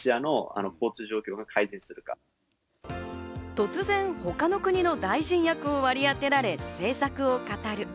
突然、他の国の大臣役を割り当てられ、政策を語る。